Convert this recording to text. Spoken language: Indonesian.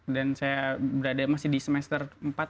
dan saya berada masih di semester empat